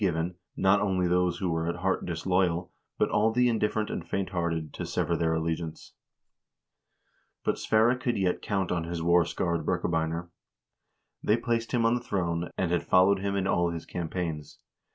KING SVERRE AND POPE INNOCENT III 399 not only those who were at heart disloyal, but all the indifferent and faint hearted to sever their allegiance. But Sverre could yet count on his war scarred Birkebeiner. They had placed him on the throne, and had followed him in all his campaigns.